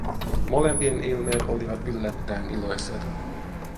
Molempien ilmeet olivat yllättäen iloiset.